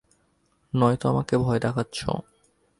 নয়তো আমাকে ভয় দেখাচ্ছো।